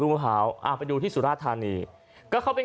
ลูกมะพร้าวดูที่สุรทานีก็เข้าเป็น